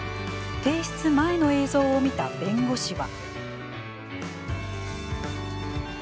提出前の映像を見た弁護士は。